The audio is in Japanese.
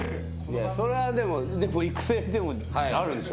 それはでも育成でもあるでしょ。